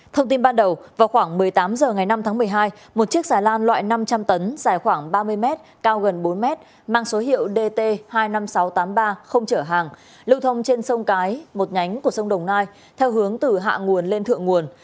thông tin ban đầu vào khoảng một mươi tám h ngày năm tháng một mươi hai một chiếc xà lan loại năm trăm linh tấn dài khoảng ba mươi mét cao gần bốn mét mang số hiệu dt hai mươi năm nghìn sáu trăm tám mươi ba không chở hàng lưu thông trên sông cái một nhánh của sông đồng nai theo hướng từ hạ nguồn lên thượng nguồn